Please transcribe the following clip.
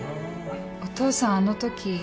お父さんあのとき。